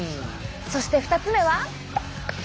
そして２つ目はこれ！